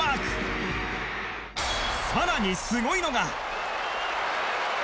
更にすごいのが。